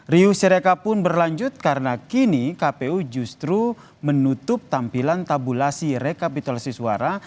riuh sereka pun berlanjut karena kini kpu justru menutup tampilan tabulasi rekapitulasi suara